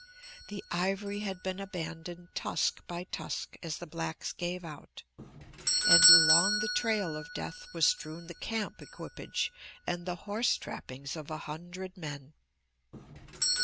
The ivory had been abandoned tusk by tusk as the blacks gave out, and along the trail of death was strewn the camp equipage and the horse trappings of a hundred men.